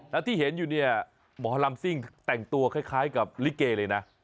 แล้วที่เห็นอยู่เนี่ยหมอลำซิ่งแต่งตัวคล้ายกับลิเกเลยนะ